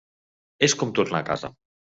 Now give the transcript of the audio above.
És com tornar a casa.